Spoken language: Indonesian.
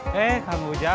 lahan yang mau saya beli